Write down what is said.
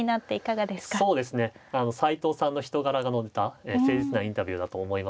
そうですね斎藤さんの人柄が出た誠実なインタビューだと思いました。